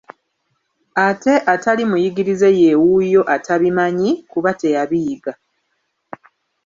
Ate atali muyigirize ye wuuyo atabimanyi, kuba teyabiyiga.